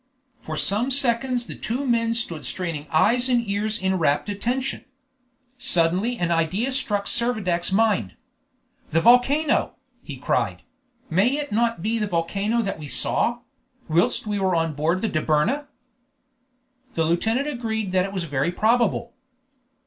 For some seconds the two men stood straining eyes and ears in rapt attention. Suddenly an idea struck Servadac's mind. "The volcano!" he cried; "may it not be the volcano that we saw, whilst we were on board the Dobryna?" The lieutenant agreed that it was very probable.